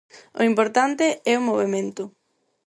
O importante é o movemento.